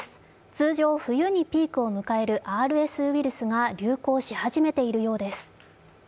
通常、冬にピークを迎えるＲＳウイルスが流行し始めているそうです。